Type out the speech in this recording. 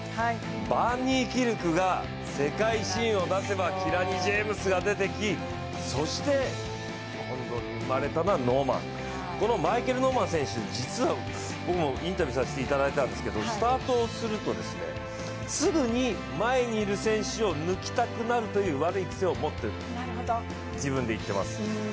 バン・ニーキルクが世界一を出せばキラニ・ジェームスが出てきて、そして、今度ノーマン、このマイケル・ノーマン選手、僕もインタビューさせていただいたんですけど、スタートするとすぐに前にいる選手を抜きたくなるという悪い癖を持っている、自分で言っています。